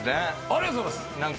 ありがとうございます。